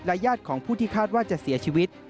ญาติของผู้ที่คาดว่าจะเสียชีวิต